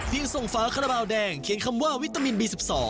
ส่งฝาคาราบาลแดงเขียนคำว่าวิตามินบี๑๒